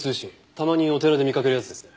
たまにお寺で見かけるやつですね。